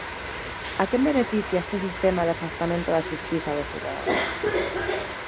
¿A quen beneficia este sistema de afastamento da Xustiza do cidadán?